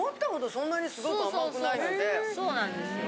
そうなんですよ。